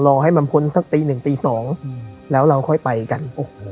รอให้มันพ้นสักตีหนึ่งตีสองแล้วเราค่อยไปกันโอ้โห